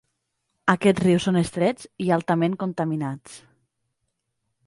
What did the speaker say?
Aquests rius són estrets i altament contaminats.